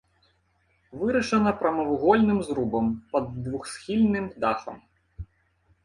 Вырашана прамавугольным зрубам пад двухсхільным дахам.